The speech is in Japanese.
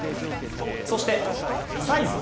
そして、サイズ。